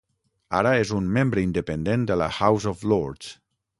Ara és un membre independent de la House of Lords.